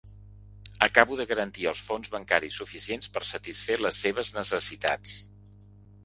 Acabo de garantir els fons bancaris suficients per satisfer les seves necessitats.